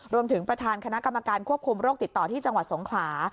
รวมถึงประธานคณะกรรมการควบคุมโรคติดต่อที่จังหวัดสงขลา